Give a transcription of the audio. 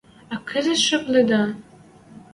А кӹзӹт шӹп лидӓ.